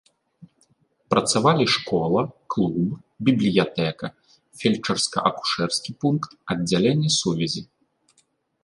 Працавалі школа, клуб, бібліятэка, фельчарска-акушэрскі пункт, аддзяленне сувязі.